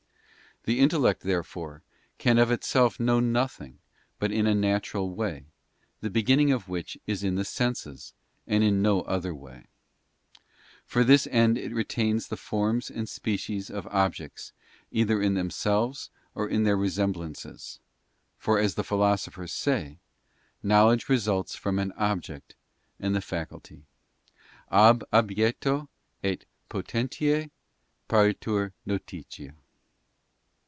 The intellect, therefore, can of itself know nothing but in a natural way, the beginning of which is in the senses, and in no other way. For this end it retains the forms and species of objects either in themselves or in their resemblances: for as the philosophers say, know ledge results from an object and the faculty. .Ab objecto et potentia paritur notitia.